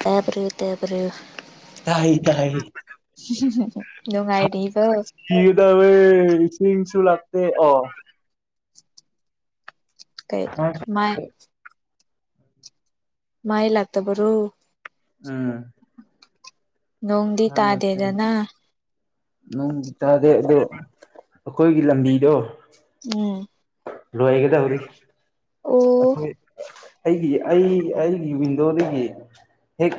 ꯇꯕ꯭ꯌꯨ ꯇꯦ ꯄꯔꯤꯌꯨ ꯇꯥꯏ ꯇꯥꯏ ꯅꯨꯡꯉꯥꯏꯔꯤꯕ ꯦꯗ ꯏꯁꯤ ꯏꯁ ꯂ ꯑ ꯀꯩ ꯃꯥꯏ ꯃꯥꯏꯜꯥꯛꯇꯕꯔꯣ ꯎꯝ ꯅꯣꯡꯗꯤ ꯂꯦ ꯇꯥꯗꯦꯗꯅ ꯅꯪ ꯆꯗꯦ ꯑꯗꯨ ꯑꯩꯈꯣꯏꯒꯤ ꯂꯝꯕꯤꯗꯣ ꯎꯝ ꯂꯌꯦꯒꯗ ꯎꯔꯤ ꯑꯣ ꯑ ꯑꯩꯒꯤ ꯑꯩ ꯑꯩꯒꯤ ꯋꯤꯟꯗꯣꯗꯒꯤ ꯍꯦꯛ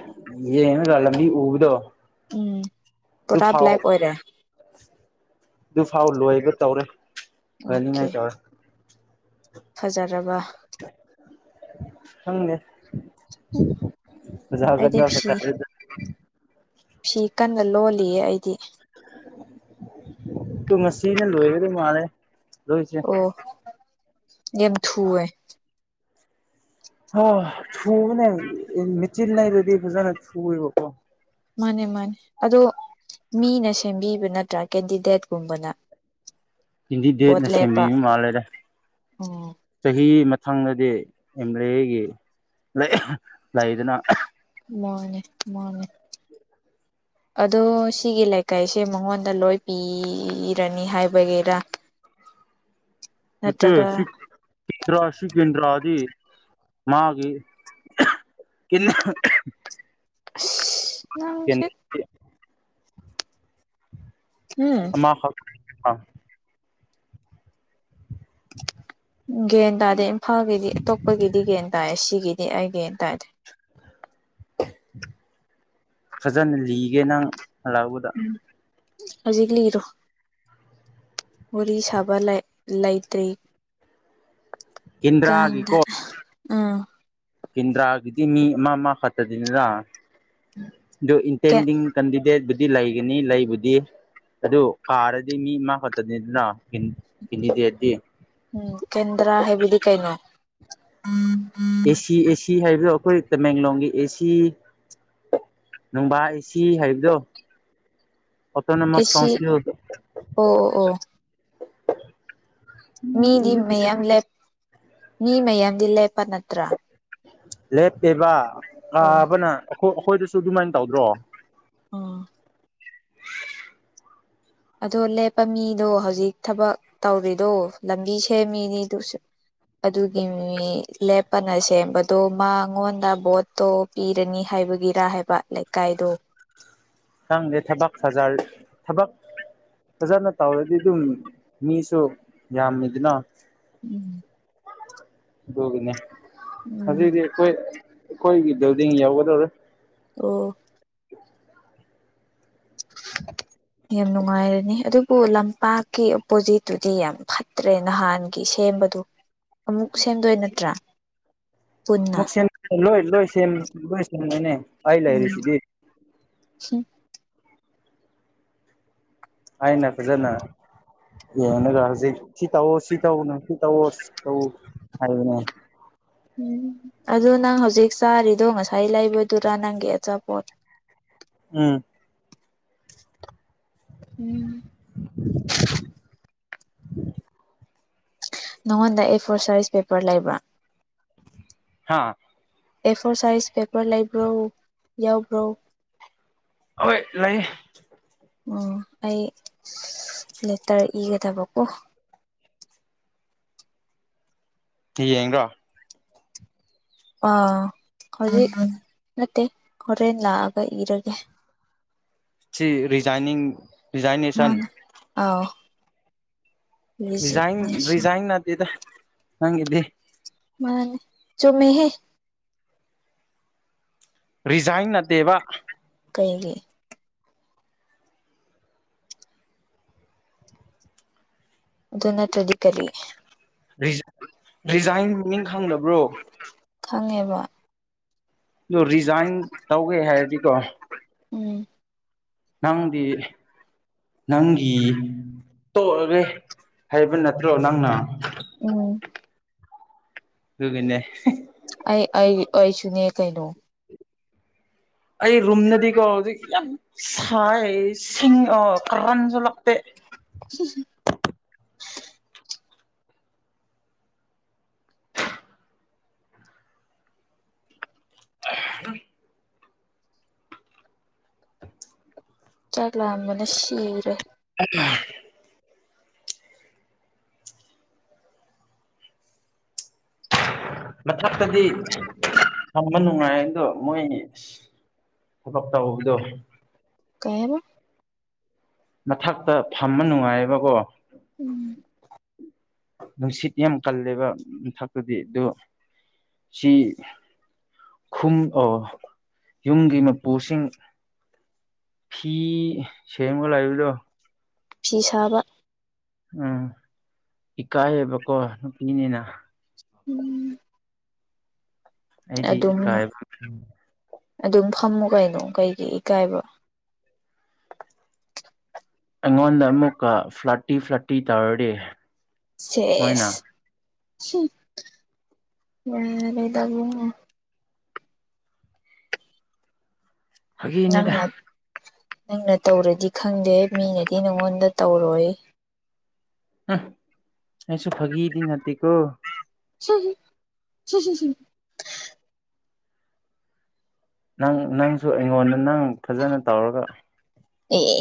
ꯌꯦꯡꯉꯒ ꯎꯕꯗꯣ ꯎꯝ ꯄꯨꯔꯥ ꯑꯗꯨꯐꯥꯎ ꯕ꯭ꯂꯦꯛ ꯑꯣꯏꯔꯦ ꯑꯗꯨꯐꯥꯎ ꯂꯣꯏꯕ ꯇꯧꯔꯦ ꯑꯣꯀꯦ ꯂꯅꯤꯉꯥꯏ ꯇꯧꯔꯦ ꯐꯖꯔꯕ ꯍꯪꯅꯦ ꯑꯩꯗꯤ ꯑꯖꯒꯗ ꯐꯤ ꯇꯔ ꯐꯤ ꯀꯟꯅ ꯂꯣꯜꯂꯤꯌꯦ ꯑꯩꯗꯤ ꯇꯨ ꯉꯁꯤꯅꯦ ꯂꯣꯏꯑꯕꯗ ꯃꯥꯔꯦ ꯂꯣꯏꯁ ꯌ ꯊꯦ ꯍ ꯊꯨꯅꯦ ꯃꯆꯤꯟ ꯅ ꯑꯗꯨꯗꯤꯖꯥꯅ ꯊꯨꯕꯣ ꯃꯥꯅꯦ ꯃꯥꯅꯦ ꯑꯗꯣ ꯃꯤꯅ ꯁꯦꯝꯕꯤꯕ ꯅꯠꯇ꯭ꯔꯥ ꯀꯦꯟꯗꯤꯗꯦꯠꯀꯨꯝꯕꯅ ꯍꯤꯟꯗꯤ ꯗꯦ ꯚꯣꯠ ꯅ ꯂꯦꯞꯄ ꯁꯦꯝꯦꯝꯕꯤꯕ ꯃꯥꯜꯂꯦꯔꯦ ꯎꯝ ꯆꯍꯤ ꯁꯪꯅꯗꯤ ꯑꯦꯝ ꯑꯦꯜ ꯑꯦꯒꯤ ꯂꯩꯗꯅ ꯃꯅꯦ ꯃꯥꯅꯦ ꯑꯗꯣ ꯁꯤꯒꯤ ꯂꯩꯀꯥꯏꯁꯦ ꯃꯉꯣꯟꯗ ꯂꯣꯏ ꯄꯤꯔꯅꯤ ꯍꯥꯏꯕꯒꯤꯔ [inaudible] ꯏꯠꯇ ꯅꯠꯇ꯭ꯔꯒ ꯁꯤꯟꯗ꯭ꯔꯥꯁꯤ ꯏꯗ꯭ꯔꯥꯗꯤ ꯃꯥꯒꯤ ꯀ ꯅꯁꯦ ꯎꯝ [inaudible] ꯒ꯭ꯟ ꯇꯥꯗꯦ ꯏꯝꯐꯥꯜꯒꯤꯗꯤ ꯑꯇꯣꯞꯄꯒꯤꯗꯤ ꯒ꯭ꯟ ꯇꯥꯏꯌꯦ ꯁꯤꯒꯤꯗꯤ ꯑꯩ ꯒꯦꯟ ꯇꯥꯏꯖꯦ ꯐꯖꯅ ꯂꯤꯒꯦ ꯅꯪ ꯑꯂꯥꯎꯕꯗ ꯍꯧꯖꯤꯛ ꯂꯩꯔꯣ ꯋꯥꯔꯤ ꯁꯥꯕ ꯂꯩꯇ꯭ꯔꯤ ꯀꯗꯦ ꯀꯦꯟꯗ꯭ꯔꯥꯒꯤꯀꯣ ꯎꯝ ꯀꯦꯟꯗ꯭ꯔꯥꯒꯤꯗꯤ ꯃꯤ ꯑꯃ ꯑꯃ ꯈꯛꯇꯗꯅꯤꯅ ꯑꯗꯨ ꯀꯦ ꯏꯟꯇꯦꯟꯗꯤꯡ ꯀꯦꯟꯗꯤꯗꯦꯠꯕꯨꯗꯤ ꯂꯩꯒꯅꯤ ꯂꯩꯕꯨꯗꯤ ꯑꯗꯨ ꯀꯥꯔꯗꯤ ꯃꯤ ꯃꯥ ꯈꯛꯇꯅꯤꯗꯅ ꯀꯤꯟꯈꯤꯗꯦꯗꯤ ꯎꯝ ꯀꯦꯟꯗ꯭ꯔꯥ ꯍꯥꯏꯕꯗꯤ ꯀꯩꯅꯣ ꯎꯝ ꯑꯦꯁꯤ ꯑꯦꯁꯤ ꯍꯥꯏꯔꯤꯕ ꯑꯩꯈꯣꯏ ꯇꯃꯦꯡꯂꯣꯡꯒꯤ ꯑꯦꯁꯤ ꯅꯨꯡꯕꯥ ꯑꯦꯁꯤ ꯍꯥꯏꯕꯗꯣ ꯑꯣꯇꯣꯅꯣꯃꯁ ꯑꯦꯁꯤ ꯀꯥꯎꯟꯁꯤꯜꯗ ꯑꯣ ꯑꯣ ꯑꯣ ꯎꯝ ꯃꯤꯗꯤ ꯃꯌꯥꯝ ꯃꯤ ꯃꯌꯥꯝꯗꯤ ꯂꯦꯞꯄ ꯅꯠꯇ꯭ꯔꯥ ꯂꯦꯞꯄꯦꯕ ꯑꯥ ꯑꯥꯕꯅ ꯑꯩꯣꯏ ꯑꯩꯈꯣꯏꯗꯁꯨ ꯑꯗꯨꯃꯥꯏꯅ ꯇꯧꯗ꯭ꯔꯣ ꯑ ꯑꯗꯣ ꯂꯦꯞꯄ ꯃꯤꯗꯣ ꯍꯧꯖꯤꯛ ꯊꯕꯛ ꯇꯧꯔꯤꯗꯣ ꯂꯝꯕꯤ ꯁꯦꯝꯃꯤꯅꯤꯗꯨꯁꯨ ꯑꯗꯨꯒꯤ ꯃꯤ ꯂꯦꯞꯄꯅ ꯁꯦꯝꯕꯗꯣ ꯃꯉꯣꯟꯗ ꯚꯣꯠꯇꯣ ꯄꯤꯔꯅꯤ ꯍꯥꯏ ꯕꯒꯤꯔꯥ ꯍꯥꯏꯕ ꯂꯩꯀꯥꯏꯗꯣ ꯈꯪꯗꯦ ꯊꯕꯛ ꯐꯖ ꯊꯕꯛ ꯐꯖꯅ ꯇꯧꯔꯗꯤ ꯗꯨꯝ ꯃꯤꯁꯨ ꯌꯥꯝꯃꯦꯗꯅ ꯎꯝ ꯑꯗꯨꯒꯤꯅꯦ ꯎꯝ ꯍꯧꯖꯤꯇꯤ ꯑꯩꯈꯣꯏ ꯑꯩꯈꯣꯏꯒꯤ ꯕꯤꯜꯗꯤꯡ ꯌꯧꯒꯗꯧꯔꯦ ꯑꯣ ꯌꯥꯝ ꯅꯨꯡꯉꯥꯏꯔꯅꯤ ꯑꯗꯨꯕꯨ ꯂꯝꯄꯥꯛꯀꯤ ꯑꯣꯄꯣꯖꯤꯠꯇꯨꯗꯤ ꯌꯥꯝ ꯐꯠꯇ꯭ꯔꯦ ꯅꯍꯥꯟꯒꯤ ꯁꯦꯝ ꯕꯗꯨ ꯑꯃꯨꯛ ꯁꯦꯝꯗꯣꯏ ꯅꯠꯇ꯭ꯔꯥ ꯄꯨꯟꯅ ꯑꯃꯨꯛ ꯁꯦꯝ ꯂꯣꯏ ꯂꯣꯏ ꯁꯦꯝ ꯂꯣꯏ ꯁꯦꯝꯒꯅꯦ ꯑꯩ ꯂꯩꯔꯤꯁꯤꯗꯤ ꯍꯨꯝ ꯑꯥꯏ ꯐꯖꯅ ꯌꯦꯅꯗꯔꯁꯤ ꯁꯤ ꯇꯧꯋꯣ ꯁꯤ ꯇꯧꯅ ꯁꯤ ꯇꯧꯋꯣ ꯁꯤ ꯇꯧ ꯍꯥꯏꯗꯅ ꯎꯝ ꯑꯗꯨ ꯅꯪ ꯍꯧꯖꯤꯛ ꯆꯥꯔꯤꯗꯣ ꯉꯁꯥꯏ ꯂꯩꯕꯗꯨꯔꯥ ꯅꯪꯒꯤ ꯑꯆꯥꯄꯣꯠ ꯎꯝ ꯎꯝ ꯅꯉꯣꯟꯗ ꯑꯦ ꯐꯣꯔ ꯁꯥꯏꯁ ꯄꯦꯄꯔ ꯂꯩꯕ꯭ꯔꯥ ꯍꯥꯥ ꯑꯦꯐꯣꯔ ꯁꯥꯏꯖ ꯄꯦꯄꯔ ꯂꯩꯕ꯭ꯔꯣ ꯌꯥꯎꯕ꯭ꯔꯣ ꯍꯣꯏ ꯂꯩꯌꯦ ꯎꯝ ꯑꯩ ꯂꯦꯇꯔ ꯏꯒꯗꯕꯀꯣ ꯀꯤ ꯌꯦꯡꯔꯣ ꯑꯥ ꯍꯧꯖꯤꯛ ꯅꯠꯇꯦ ꯍꯣꯔꯦꯟ ꯂꯥꯛꯑꯒ ꯏꯔꯒꯦ ꯁꯤ ꯔꯤꯖꯥꯏꯅꯤꯡ ꯔꯤꯖꯥꯏꯅꯦꯁꯟ ꯃꯥꯅ ꯑꯥꯎ ꯔꯤꯖꯥꯏꯟ ꯔꯤꯖꯤꯛꯅꯦꯁꯟ ꯔꯤꯖꯥꯏꯟ ꯅꯠꯇꯦꯗ ꯅꯪꯒꯤꯗꯤ ꯃꯥꯅꯦ ꯆꯨꯝꯃꯦꯍꯦ ꯔꯤꯖꯥꯏꯟ ꯅꯠꯇꯦꯕ ꯀꯩꯒꯤ ꯑꯗꯨ ꯅꯠꯇ꯭ꯔꯗꯤ ꯀꯔꯤ ꯔꯤꯖ ꯔꯤꯖꯥꯏꯟ ꯃꯤꯅꯤꯡ ꯈꯪꯗꯕ꯭ꯔꯣ ꯋꯥ ꯗꯨ ꯔꯤꯖꯥꯏꯟ ꯇꯧꯒꯦ ꯍꯥꯏꯔꯗꯤꯀꯣ ꯎꯝ ꯅꯪꯗꯤ ꯅꯪꯒꯤ ꯇꯣꯛꯑꯒꯦ ꯍꯥꯏꯕ ꯅꯠꯇ꯭ꯔꯣ ꯅꯪꯅ ꯎꯝ ꯗꯨꯒꯅꯦ ꯑꯩ ꯑꯩ ꯑꯩꯁꯨꯨꯅꯦ ꯀꯩꯅꯣ ꯑꯩ ꯔꯨꯝꯅꯗꯤꯀꯣ ꯍꯧꯖꯤꯛ ꯌꯥꯝ ꯁꯥꯏ ꯁꯤꯡ ꯑ ꯀꯥꯔꯟꯖꯣ ꯂꯥꯛꯇꯦ ꯁꯤ [unintelligible] ꯑ ꯍꯝ ꯆꯥꯛ ꯂꯥꯝꯕꯅ ꯁꯤꯔꯦ ꯎ [unintelligible] ꯃꯊꯛꯇꯗꯤ ꯊꯝꯕ ꯅꯨꯡꯉꯥꯏ ꯑꯗꯣ ꯃꯣꯏꯁꯤ ꯍꯨꯛ ꯎꯞ ꯇꯧꯕꯗꯣ ꯀꯩꯌꯥꯕ ꯃꯊꯛꯇ ꯐꯝꯕ ꯅꯨꯡꯉꯥꯏꯌꯦꯕꯀꯣ ꯎꯝ ꯅꯨꯡꯁꯤꯠ ꯌꯥꯝ ꯀꯜꯂꯦꯕ ꯃꯊꯛꯇꯨꯗꯤ ꯑꯗꯨ ꯁꯤꯤ ꯨꯝ ꯌꯨꯝꯒꯤ ꯃꯄꯨꯁꯤꯡ ꯐꯤ ꯁꯃꯒ ꯂꯕꯤꯗꯣ ꯐꯤ ꯁꯥꯕ ꯎꯝ ꯏꯀꯥꯏꯌꯦꯕꯀꯣ ꯅꯨꯄꯤꯅꯤꯅ ꯎꯝ ꯑꯩꯗꯤ ꯑꯗꯨꯝ ꯏꯀꯥꯏꯕ ꯑꯗꯨꯝ ꯐꯝꯃꯨ ꯀꯩꯅꯣ ꯀꯩꯒꯤ ꯏꯀꯥꯏꯕ ꯑꯩꯉꯣꯟꯗ ꯑꯃꯨꯛꯀ ꯐ꯭ꯂꯠꯇꯤ ꯐ꯭ꯂꯥꯠꯇꯤ ꯇꯧꯔꯗꯤ ꯃꯣꯏꯅ ꯁꯦꯁ ꯌꯥ ꯂꯩꯗꯕꯨ ꯍꯥꯏꯦꯅꯦꯗ ꯅꯪꯅ ꯅꯪꯅ ꯇꯧꯔꯗꯤ ꯈꯪꯗꯦ ꯃꯤꯅꯗꯤ ꯅꯪꯉꯣꯟꯗ ꯇꯧꯔꯣꯏ ꯎꯝ ꯑꯩꯁꯨ ꯐꯒꯤꯗꯤ ꯅꯠꯇꯦꯀꯣ ꯁꯤ ꯁꯤ ꯅꯪ ꯅꯪꯁꯨ ꯑꯩꯉꯣꯟꯗ ꯅꯪ ꯐꯖꯅ ꯇꯧꯔꯒ ꯑꯦ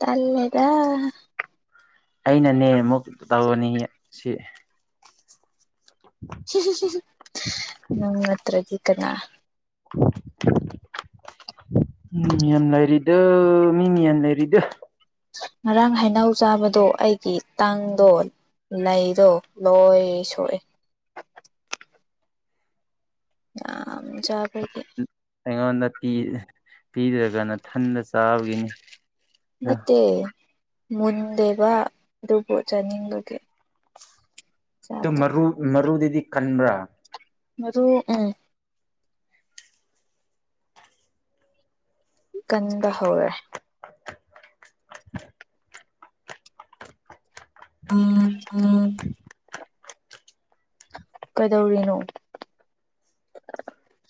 ꯇꯂꯦꯗ ꯑꯩꯅꯅꯦ ꯑꯃꯨꯛ ꯇꯧꯅꯤ ꯁꯤ ꯎꯝ ꯅꯠꯇ꯭ꯔꯒꯤ ꯀꯅꯥ [unintelligible] ꯃꯤ ꯌꯥꯝ ꯂꯩꯔꯤꯗꯨ ꯃꯤꯅꯤ ꯌꯥꯝꯅ ꯂꯩꯔꯤꯗꯨ ꯉꯔꯥꯡ ꯍꯩꯅꯧ ꯆꯥꯕꯗꯣ ꯑꯩꯒꯤ ꯇꯥꯡꯗꯣ ꯅꯗꯣ ꯂꯣꯏ ꯁꯣꯛꯑꯦ ꯑ ꯆ ꯑꯩꯉꯣꯟꯗ ꯄꯤꯗ꯭ꯔꯀꯥꯟꯗ ꯊꯟꯗ ꯆꯥꯕꯒꯤꯅꯤ ꯅꯠꯇꯦ ꯃꯨꯟꯗꯦꯕ ꯑꯗꯨꯕꯨ ꯆꯥꯅꯤꯡꯕꯒꯦ ꯇ ꯃꯔꯨ ꯃꯔꯨꯗꯗꯤ ꯀꯟꯕ꯭ꯔꯥ ꯃꯗꯨ ꯎꯝ ꯀꯟꯕ ꯍꯧꯔꯦ [unintelligible] ꯎꯝ ꯎꯝ ꯀꯩꯗꯧꯔꯤꯅꯣ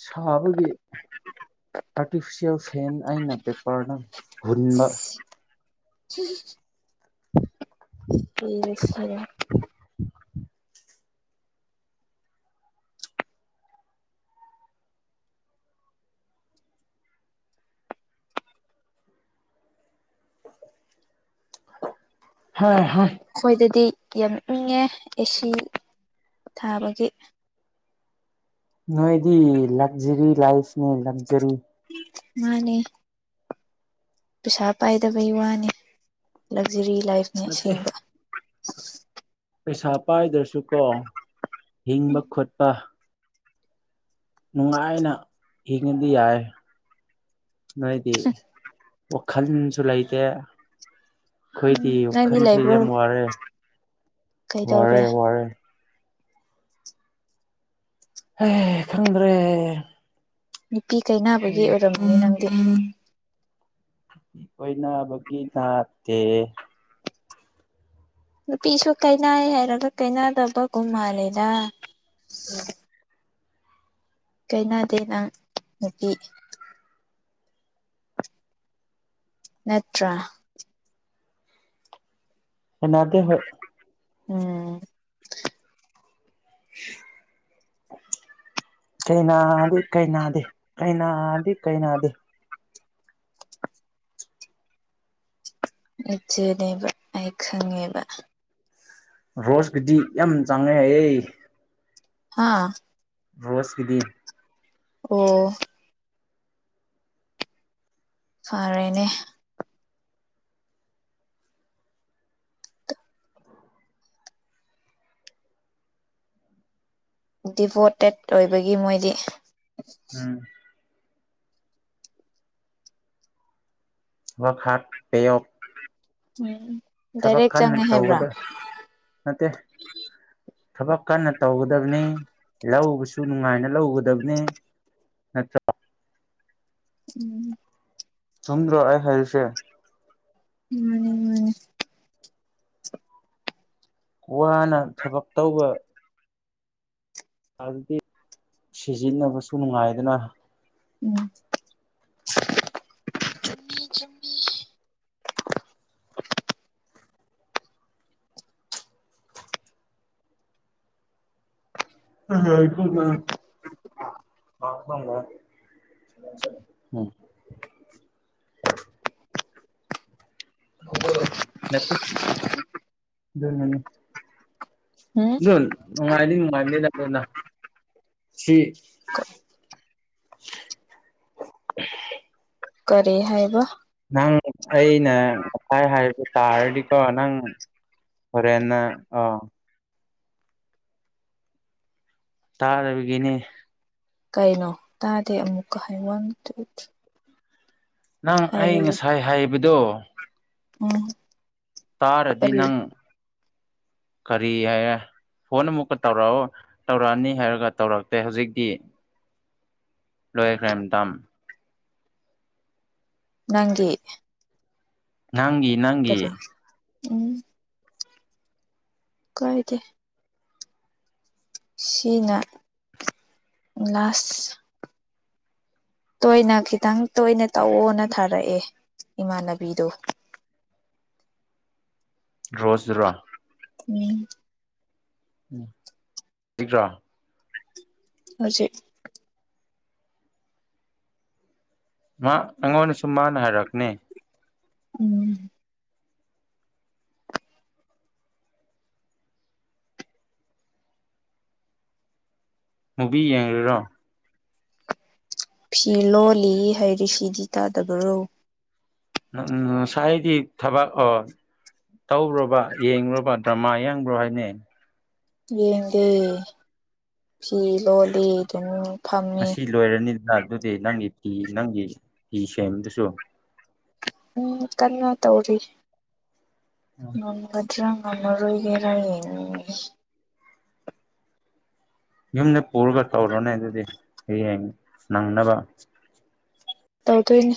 ꯁꯥꯕꯒꯤ ꯑꯥꯔꯇꯤꯐꯤꯁꯦꯜ ꯐꯦꯟ ꯑꯩꯅ ꯄꯦꯄꯔꯗ ꯍꯨꯟꯕ ꯎ ꯍꯔ ꯍꯥ ꯍ ꯑꯩꯈꯣꯏꯗꯗꯤ ꯌꯥꯝ ꯏꯪꯉꯦ ꯑꯦꯁꯤ ꯊꯥꯕꯒꯤ ꯅꯣꯏꯗꯤ ꯂꯛꯖꯔꯤ ꯂꯥꯏꯐꯅꯦ ꯂꯛꯖꯔꯤ ꯃꯥꯅꯦ ꯄꯩꯁꯥ ꯄꯥꯏꯗꯕꯩ ꯋꯥꯅꯤ ꯂꯛꯖꯔꯤ ꯂꯥꯏꯐꯅꯤ ꯅꯠꯇꯦ ꯑꯁꯦꯡꯕ ꯄꯩꯁꯥ ꯄꯥꯏꯗ꯭ꯔꯁꯨ ꯀꯣ ꯍꯤꯡꯕ ꯈꯣꯠꯄ ꯅꯨꯡꯉꯥꯏꯅ ꯍꯤꯡꯉꯕꯗꯤ ꯌꯥꯏ ꯅꯣꯏꯗꯤ ꯋꯥꯈꯜꯁꯨ ꯂꯩꯇꯦ ꯎꯝ ꯑꯩꯈꯣꯏꯗꯤ ꯅꯪꯗꯤ ꯋꯥꯈꯜꯁꯦ ꯂꯩꯕ꯭ꯔꯣ ꯌꯥꯝ ꯋꯥꯔꯦ ꯀꯩꯗꯧꯔꯦ ꯋꯥꯔꯦ ꯋꯥꯔꯦ ꯍ ꯈꯪꯗ꯭ꯔꯦ ꯄꯄꯤ ꯀꯩꯅꯅꯕꯒꯤ ꯑꯣꯏꯔꯝꯝꯕꯅꯤ ꯅꯪꯗꯤ ꯀꯣꯏꯅꯥ ꯒꯤ ꯊꯅꯥꯠꯇ ꯅꯨꯄꯤꯁꯨ ꯀꯩꯅꯥꯏ ꯍꯥꯏꯔꯒ ꯀꯩꯅꯥꯗꯕꯒꯨꯝ ꯃꯥꯜꯂꯦꯗ ꯎꯝ ꯀꯩꯅꯗꯦ ꯅꯪ ꯅꯨꯄꯤ ꯅꯠꯇ꯭ꯔ ꯍꯗꯤ ꯍꯣꯏ ꯎꯝ ꯀꯩꯅꯥꯗꯤ ꯀꯩꯅꯥꯗꯤ ꯀꯥꯏꯅꯥ ꯑꯗꯤ ꯀꯥꯏ ꯅꯅꯥ ꯑꯗꯦ ꯏꯆꯦꯅꯦꯕ ꯑꯩ ꯈꯪꯉꯦꯕ ꯔꯣꯁꯀꯨꯗꯤ ꯌꯥꯝ ꯆꯥꯡꯉꯩ ꯍꯥꯏꯌꯦꯦ ꯑꯥ ꯔꯣꯁꯀꯤꯗꯤ ꯑꯣ ꯐꯔꯦꯅꯦ ꯗꯤꯕꯣꯇꯦꯠ ꯑꯣꯏꯕꯒꯤ ꯃꯣꯏꯗꯤ ꯎꯝ ꯍ ꯍꯥꯛ ꯄꯦꯌ ꯎꯝ ꯗꯥꯏꯔꯦꯛ ꯆꯪꯉꯦ ꯍꯥꯏꯕ꯭ꯔꯥ ꯇꯧꯒꯗ ꯅꯠꯇꯦ ꯊꯕꯛ ꯀꯟꯅ ꯇꯧꯒꯗꯕꯅꯤ ꯂꯧꯧꯕꯁꯨ ꯅꯨꯡꯉꯥꯏꯅ ꯂꯧꯒꯗꯕꯅꯦ ꯅꯠꯇ꯭ꯔꯥ ꯎꯝ ꯁꯨꯝꯗ꯭ꯔꯣ ꯑ ꯍꯥꯏꯦꯜꯁꯦ ꯃꯥꯅꯦ ꯃꯥꯅꯦ ꯋꯥꯅ ꯊꯕꯛ ꯇꯧꯕ ꯑꯗꯨꯗꯤ ꯁꯤꯖꯤꯟꯅꯕꯁꯨ ꯅꯨꯡꯉꯥꯏꯗꯅ ꯆꯃꯤ ꯆꯨꯝꯃꯤ ꯍ ꯏ [unintelligible] [unintelligible] ꯑꯗꯨ ꯎꯝ ꯅꯨꯡꯉꯥꯏꯅꯤ ꯅꯨꯡꯉꯥꯏꯅꯤ ꯅꯅ ꯁꯤ ꯀꯔꯤ ꯍꯥꯏꯕ ꯅꯪ ꯑꯩꯅ ꯉꯁꯥꯏ ꯍꯥꯏꯕ ꯇꯥꯔꯗꯤꯀꯣ ꯅꯪ ꯍꯔꯦꯅ ꯑ ꯇꯥꯔꯕꯒꯤꯅꯦ ꯀꯩꯅꯣ ꯇꯥꯗꯦ ꯑꯃꯨꯛꯀ ꯍꯥꯏ ꯋꯥꯟ ꯅꯪ ꯑꯩ ꯍꯥꯏꯌꯨ ꯉꯁꯥꯏ ꯍꯥꯏꯕꯗꯣ ꯎꯝ ꯇꯥꯔꯗꯤ ꯀꯔꯤ ꯅꯪ [unintelligible] ꯈꯔꯤ ꯍꯥꯏ ꯐꯣꯟ ꯑꯃꯨꯛꯀ ꯇꯧꯔꯛꯑꯣ ꯇꯧꯔꯛꯑꯅꯤ ꯍꯥꯏꯔꯒ ꯇꯧꯔꯛꯇꯦ ꯍꯧꯖꯤꯛꯇꯤ ꯂꯣꯏ ꯀ꯭ꯔꯥꯏꯝ ꯇꯝ ꯅꯪꯒꯤꯦ ꯅꯪꯒꯤ ꯅꯪꯒꯤ ꯎꯝ ꯀꯥꯏꯗꯒꯤ ꯁꯤꯅ ꯂꯥꯁ ꯇꯣꯏꯅ ꯈꯤꯇꯪ ꯇꯣꯏꯅ ꯇꯧꯑꯣꯅ ꯊꯥꯔꯛꯑꯦ ꯏꯃꯥꯟꯅꯕꯤꯗꯨ ꯔꯣꯖ ꯔꯣ ꯎꯝ ꯎꯝ ꯁꯤ꯭ꯔꯥ ꯍꯧꯖꯤꯩ ꯃꯥ ꯑꯩꯉꯣꯟꯗ ꯁꯨꯝ ꯃꯥꯅ ꯍꯥꯏꯔꯛꯅꯦ ꯎꯝ ꯃꯨꯕꯤ ꯌꯦꯉꯒꯥꯔꯣ ꯐꯤ ꯂꯣ ꯂꯤ ꯍꯥꯏꯩꯔꯤꯁꯤꯗꯤ ꯇꯥꯗꯕꯔꯣ ꯎꯝ ꯁꯥꯏꯗꯤ ꯊꯕꯛ ꯑꯣ ꯇꯧꯔꯨꯔꯕ ꯌꯦꯡꯂꯡꯨꯔꯕ ꯗ꯭ꯔꯃꯥ ꯌꯦꯡꯕ꯭ꯔꯣ ꯍꯥꯏꯅ ꯌꯦꯡꯗꯦ ꯐꯤ ꯂꯣꯜꯂꯤ ꯑꯇꯨꯝ ꯉꯁꯤ ꯂꯣꯏꯔꯅꯤꯗꯅ ꯑꯗꯨꯗꯤ ꯅꯪꯒꯤ ꯐꯤ ꯅꯪꯒꯤ ꯐꯤ ꯁꯗꯨꯁꯨ ꯎꯝ ꯀꯟꯅ ꯇꯧꯔꯤ ꯎꯝ ꯅꯪ ꯂꯣꯏꯔꯔꯣꯏꯒꯦꯔꯥ ꯌꯦꯟ ꯌꯨꯝꯗ ꯄꯨꯔꯒ ꯇꯧꯔꯣꯅꯦ ꯑꯗꯨꯗꯤ ꯍꯌꯦꯡ ꯅꯪꯅꯕ ꯇꯧꯗꯣꯢꯅꯦ